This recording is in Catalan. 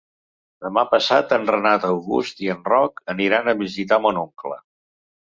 Demà passat en Renat August i en Roc aniran a visitar mon oncle.